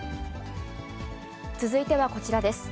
続いてはこちらです。